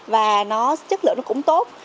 và nó chất lượng nó cũng tốt